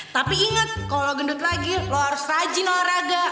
tapi ingat kalau lo gendut lagi lo harus rajin olahraga